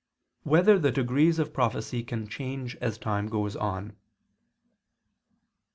6] Whether the Degrees of Prophecy Change As Time Goes On?